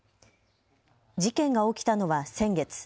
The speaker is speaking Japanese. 事件が起きたのは先月。